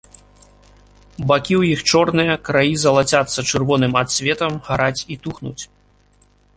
Бакі іх чорныя, краі залацяцца чырвоным адсветам, гараць і тухнуць.